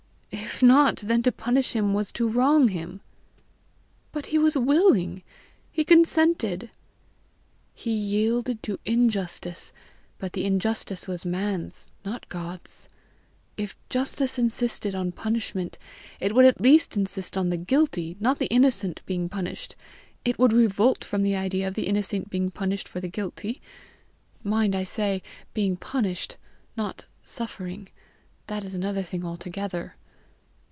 If not, then to punish him was to wrong him!" "But he was willing; he consented;" "He yielded to injustice but the injustice was man's, not God's. If Justice, insisted on punishment, it would at least insist on the guilty, not the innocent, being punished! it would revolt from the idea of the innocent being punished for the guilty! Mind, I say BEING PUNISHED, not SUFFERING: that is another thing altogether.